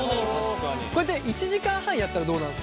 これって１時間半やったらどうなるんですか？